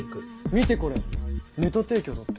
見てこれネタ提供だって。